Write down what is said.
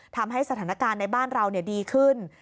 ทำให้สถานการณ์ในบ้านเราดีขึ้น